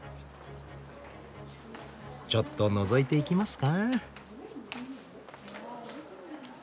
ちょっとのぞいていきますか？